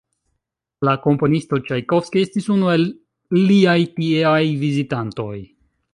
La komponisto Ĉajkovskij estis unu el liaj tieaj vizitantoj.